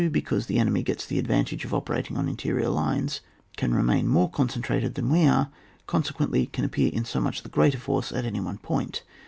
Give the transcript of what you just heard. Because the enemy gets the ad vantage of operating on interior lines, can remain more concentrated than we are, consequently can appear in so much the greater force at any one point.